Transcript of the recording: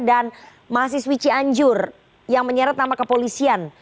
dan mahasiswi cianjur yang menyeret nama kepolisian